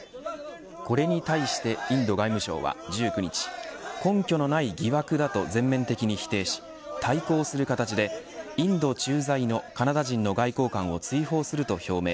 これに対してインド外務省は１９日根拠のない疑惑だと全面的に否定し対抗する形で、インド駐在のカナダ人の外交官を追放すると表明。